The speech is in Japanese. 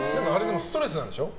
ストレスなんでしょ？